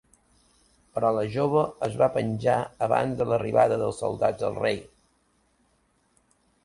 Però la jove es va penjar abans de l'arribada dels soldats del rei.